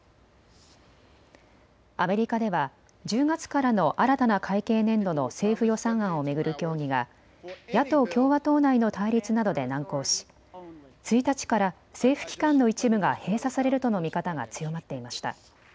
アメリカでは１０月からの新たな会計年度の政府予算案を巡る協議が野党・共和党内の対立などで難航し１日から政府機関の一部が閉鎖されるとの見方が強まっていました。